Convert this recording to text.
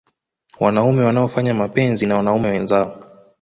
Wanaume wanaofanya mapenzi na wanaume wenzao